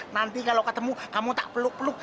nanti kalau ketemu kamu tak peluk peluk